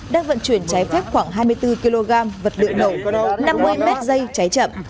đang vận chuyển trái phép khoảng hai mươi bốn kg vật liệu nổ năm mươi m dây cháy chậm